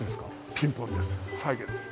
ピンポンです